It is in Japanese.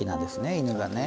犬がね。